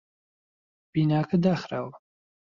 بیناکە داخراوە.